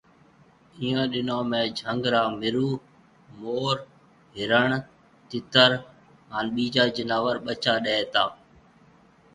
ايون ڏنون ۾ جھنگ را مرو مور، ھرڻ، تِيتر ھان ٻيجا جناور ٻچا ڏَي تا